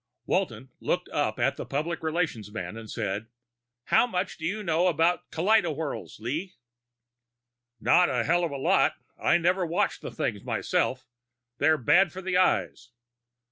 XV Walton looked up at the public relations man and said, "How much do you know about kaleidowhirls, Lee?" "Not a hell of a lot. I never watch the things, myself. They're bad for the eyes."